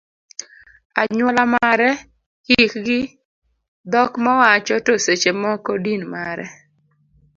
anyuola mare, hikgi, dhok mowacho, to seche moko din mare.